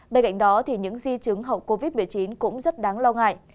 bên cạnh đó những di chứng hậu covid một mươi chín cũng rất đáng lo ngại